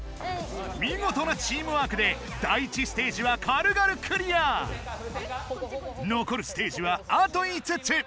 みごとなチームワークで第１ステージはかるがるクリア！のこるステージはあと５つ！